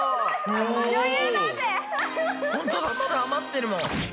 ほんとだまだ余ってるもん。